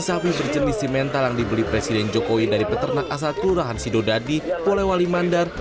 sapi berjenis simental yang dibeli presiden jokowi dari peternak asal kelurahan sidodadi polewali mandar